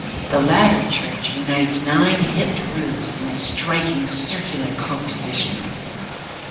The latter church unites nine hipped roofs in a striking circular composition.